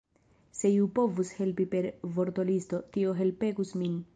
Se iu povus helpi per vortolisto, tio helpegus min!